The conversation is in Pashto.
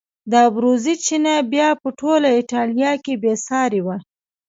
د ابروزي چینه بیا په ټوله ایټالیا کې بې سارې وه.